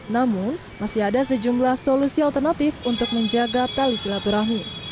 namun masih ada sejumlah solusi alternatif untuk menjaga tali silaturahmi